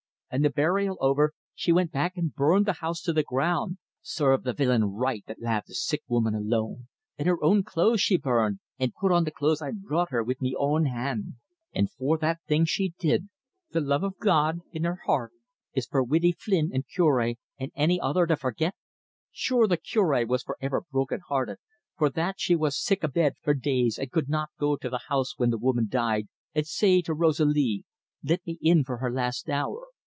An' the burial over, she wint back an' burned the house to the ground sarve the villain right that lave the sick woman alone! An' her own clothes she burned, an' put on the clothes I brought her wid me own hand. An' for that thing she did, the love o' God in her heart, is it for Widdy Flynn or Cure or anny other to forgit? Shure the Cure was for iver broken hearted, for that he was sick abed for days an' could not go to the house when the woman died, an' say to Rosalie, 'Let me in for her last hour.